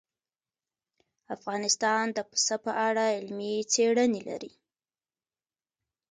افغانستان د پسه په اړه علمي څېړنې لري.